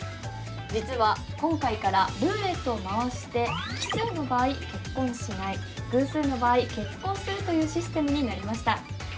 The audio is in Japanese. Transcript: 実は今回から、ルーレットを回して奇数の場合偶数の場合、結婚するというシステムになりました。